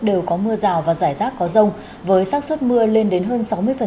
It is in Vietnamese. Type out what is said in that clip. đều có mưa rào và rải rác có rông với sát xuất mưa lên đến hơn sáu mươi